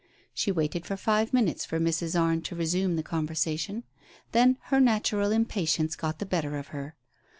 She waited for five minutes for Mrs. Arne to resume the conversation, then her natural impatience got the better of her.